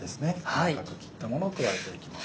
細かく切ったものを加えていきます。